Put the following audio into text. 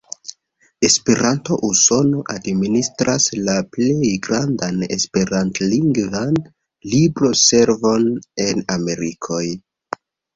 Esperanto-Usono administras la plej grandan Esperant-lingvan libro-servon en Amerikoj.